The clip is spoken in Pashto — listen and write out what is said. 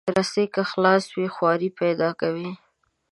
رسۍ که خلاصه وي، خواری پیدا کوي.